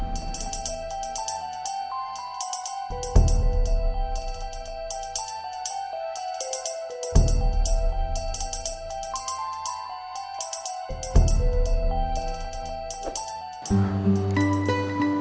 maaf ya pak